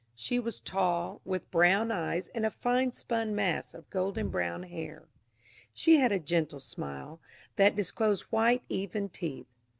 She was tall, with brown eyes and a fine spun mass of golden brown hair. She had a gentle smile, that disclosed white, even teeth.